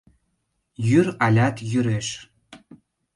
Йӱр алят йӱреш.